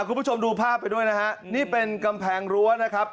คุณผู้ชมดูภาพไปด้วยนะฮะนี่เป็นกำแพงรั้วนะครับ